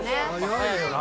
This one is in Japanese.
速いよな。